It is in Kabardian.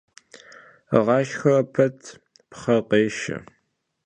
Vığaşşxere pet pxhe khêşşe.